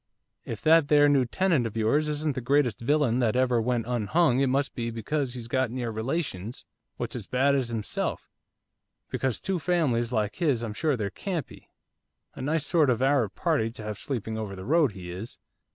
If that there new tenant of yours isn't the greatest villain that ever went unhung it must be because he's got near relations what's as bad as himself, because two families like his I'm sure there can't be. A nice sort of Arab party to have sleeping over the road he is!"